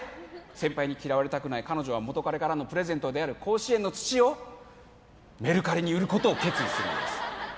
先輩に嫌われたくない彼女は元彼からのプレゼントである甲子園の土をメルカリに売ることを決意するんです